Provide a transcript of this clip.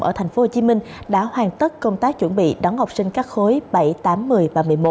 ở tp hcm đã hoàn tất công tác chuẩn bị đón học sinh các khối bảy tám một mươi và một mươi một